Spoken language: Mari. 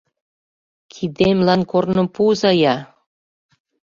Кидемлан корным пуыза-я!